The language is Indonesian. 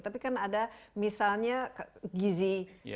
tapi kan ada misalnya gizi